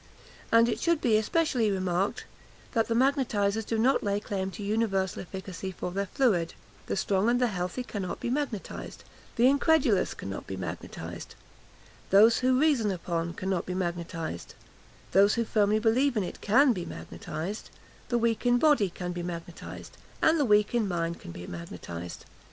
And it should be especially remarked that the magnetisers do not lay claim to universal efficacy for their fluid; the strong and the healthy cannot be magnetised; the incredulous cannot be magnetised; those who reason upon it cannot be magnetised; those who firmly believe in it can be magnetised; the weak in body can be magnetised, and the weak in mind can be magnetised.